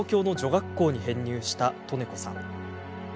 学校に編入した利根子さん。